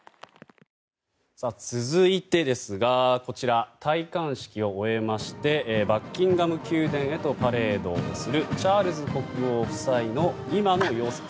続いてですがこちら、戴冠式を終えましてバッキンガム宮殿へとパレードをするチャールズ国王夫妻の今の様子。